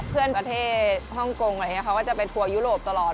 เพื่อนประเทศฮ่องกงอะไรอย่างนี้เขาก็จะไปทัวร์ยุโรปตลอด